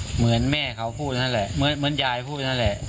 เหมือนแม่เขาพูดนั่นแหละเหมือนยายพูดนั่นแหละ